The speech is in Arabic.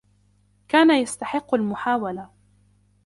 كان يستحق المحاولة.